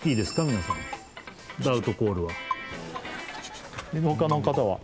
皆さんダウトコールは他の方は？